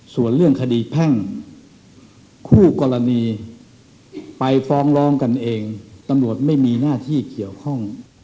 ส่วนเรื่องคดีแพ่งคู่กรณีไปฟ้องร้องกันเองตำรวจไม่มีหน้าที่เกี่ยวข้อง